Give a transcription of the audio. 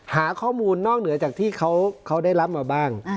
หาข้อมูลนอกเหนือจากที่เขาได้รับมาบ้าง